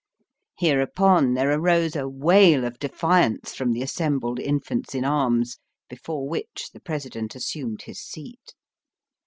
Hereupon there arose a wail of defiance from the assembled infants in arms, before which the President assumed his seat.